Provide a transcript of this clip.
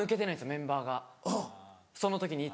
メンバーがその時にいた。